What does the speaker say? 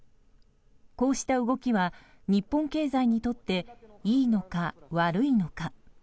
こうした動きは日本経済にとっていいのか、悪いのか。